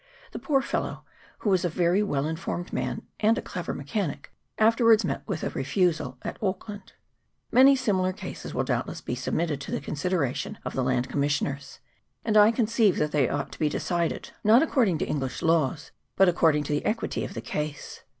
The poor fellow, who was a very well informed man, and a clever mechanic, afterwards met with a refusal at Auckland. Many similar cases will doubtless be submitted to the consider ation of the Land Commissioners, and I conceive that they ought to be decided, not according to English laws, but according to the equity of the case.